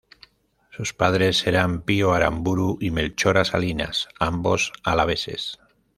Sus padres eran Pío Aramburu y Melchora Salinas, ambos alaveses.